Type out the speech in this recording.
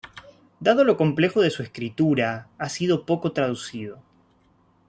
Dado lo complejo de su escritura, ha sido poco traducido.